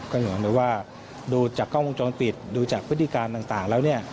ก็อย่างนั้นว่าดูจากกล้องมุมจรปิดดูจากพฤติการต่างแล้วนี่